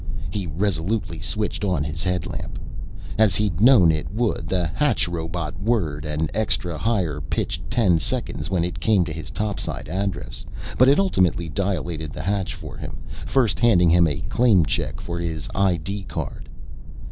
He resolutely switched on his headlamp. As he'd known it would, the hatch robot whirred an extra and higher pitched ten seconds when it came to his topside address, but it ultimately dilated the hatch for him, first handing him a claim check for his ID card.